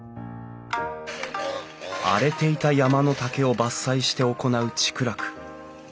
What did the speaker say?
荒れていた山の竹を伐採して行う竹楽。